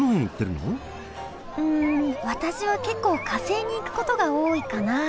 うん私は結構火星に行くことが多いかな。